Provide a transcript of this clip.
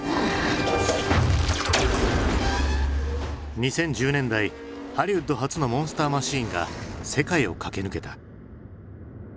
２０１０年代ハリウッド発のモンスターマシンが世界を駆け抜けた。